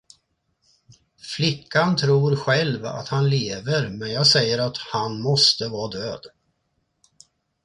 Flickan tror själv att han lever men jag säger att han måste vara död.